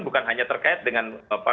bukan hanya terkait dengan